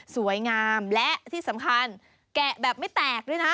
สวยงามและที่สำคัญแกะแบบไม่แตกด้วยนะ